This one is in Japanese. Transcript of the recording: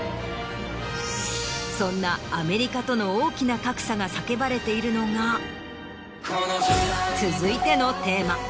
そんなアメリカとの大きな格差が叫ばれているのが続いてのテーマ。